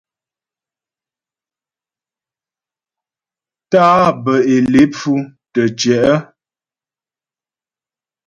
Tá'ǎ bə́ é lé pfʉ tə́ tyɛ̌'.